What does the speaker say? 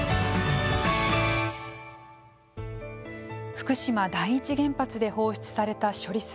福島第一原発で放出された処理水。